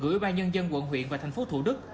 gửi ba nhân dân quận huyện và thành phố thủ đức